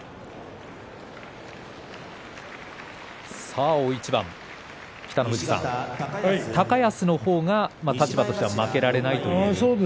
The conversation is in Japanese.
さあ大一番、北の富士さん高安の方が、立場としては負けられないということ。